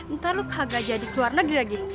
ntar lu kagak jadi keluar negeri lagi